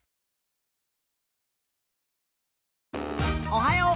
おはよう。